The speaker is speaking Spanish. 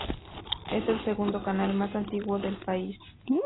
Es el segundo canal más antiguo del país.